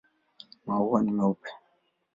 Maua ni meupe.